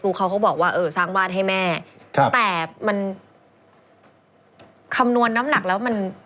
เขาก็บอกว่าเออสร้างบ้านให้แม่ครับแต่มันคำนวณน้ำหนักแล้วมัน